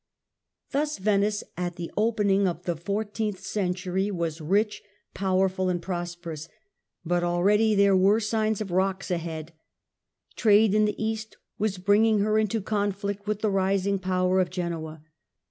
Thus Venice at the opening of the fourteenth century Rivalry was rich, powerful and prosperous ; but already there ^^'^''"'^"' were signs of rocks ahead. Trade in the East was bring ing her into conflict with the rising power of Genoa.